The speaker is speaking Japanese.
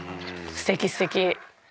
すてきすてき。